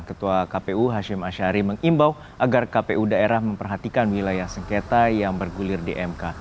ketua kpu hashim ashari mengimbau agar kpu daerah memperhatikan wilayah sengketa yang bergulir di mk